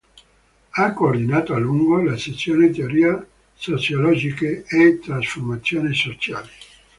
Ha coordinato a lungo la Sezione Teorie sociologiche e trasformazioni sociali.